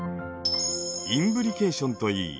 インブリケーションといい